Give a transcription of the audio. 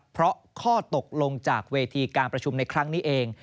เพราะข้อตกลงจากเวทีการประชุมในครั้งนี้เอง